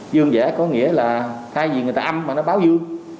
dương giả có nghĩa là thay vì người ta âm mà nó báo dương